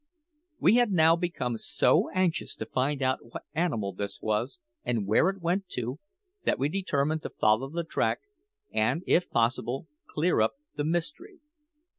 We had now become so anxious to find out what animal this was, and where it went to, that we determined to follow the track and, if possible, clear up the mystery.